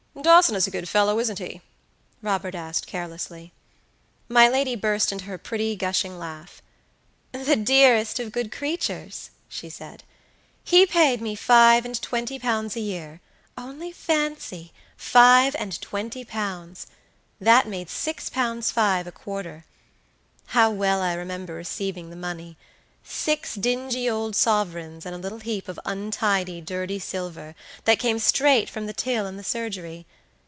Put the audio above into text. "Dawson is a good fellow, isn't he?" Robert asked, carelessly. My lady burst into her pretty, gushing laugh. "The dearest of good creatures," she said. "He paid me five and twenty pounds a yearonly fancy, five and twenty pounds! That made six pounds five a quarter. How well I remember receiving the moneysix dingy old sovereigns, and a little heap of untidy, dirty silver, that came straight from the till in the surgery!